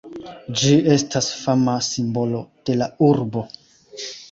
Ĝi estas fama simbolo de la urbo.